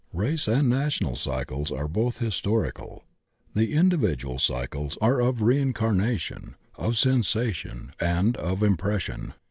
Race and national cycles are both historical. TTie individual cycles are of re incarnation, of sensation, and of impression.